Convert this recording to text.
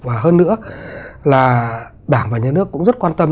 và hơn nữa là đảng và nhà nước cũng rất quan tâm